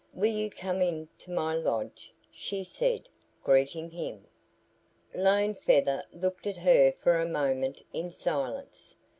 "Will you come into my lodge?" she said, greeting him. Lone Feather looked at her for a moment in silence.